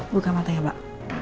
buka mata ya pak